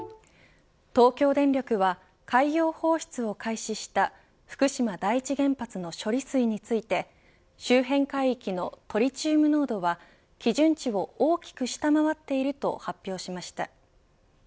東京電力は海洋放出を開始した福島第一原発の処理水について周辺海域のトリチウム濃度は基準値を大きく下回っていると発表しました。